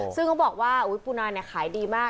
ซึ่งเขาบอกว่าอุ๊ยปูนาขายดีมาก